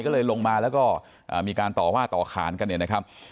ก็เลยลงมาแล้วก็มีการต่อว่าต่อขานกันเนี่ยนะครับ